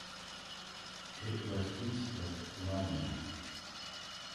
It was east of Larinum.